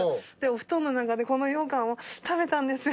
お布団の中でこのようかんを食べたんですよ。